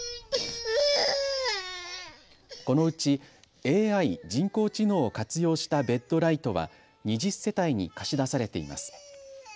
このうちＡＩ・人工知能を活用したベッドライトは２０世帯に貸し出されています。